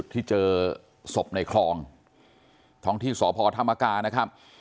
ที่เจอศพในคลองท้องที่สพธรรมกานะครับ